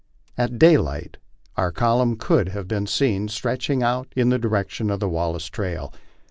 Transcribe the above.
At daylight our column could have been seen stretching out in the direction of the Wallace trail.